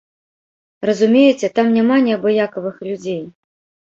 Разумееце, там няма неабыякавых людзей.